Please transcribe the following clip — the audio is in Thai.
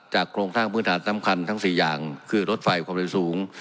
โครงสร้างพื้นฐานสำคัญทั้ง๔อย่างคือรถไฟความเร็วสูง